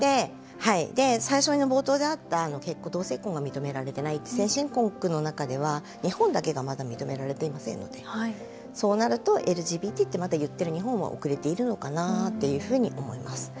で最初に冒頭であった同性婚が認められてないって先進国の中では日本だけがまだ認められていませんのでそうなるとＬＧＢＴってまだ言ってる日本は遅れているのかなっていうふうに思います。